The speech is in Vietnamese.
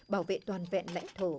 bảo vệ toàn vẹn lãnh thổ